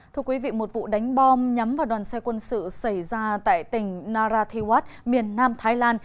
thưa quý vị một vụ đánh bom nhắm vào đoàn xe quân sự xảy ra tại tỉnh narathiwat miền nam thái lan